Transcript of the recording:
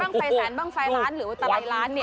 บ้างไฟแสนบ้างไฟล้านหรือว่าตะไลล้านเนี่ย